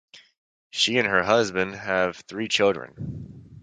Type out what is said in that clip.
She and her husband have three children.